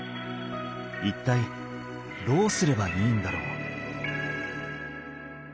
一体どうすればいいんだろう？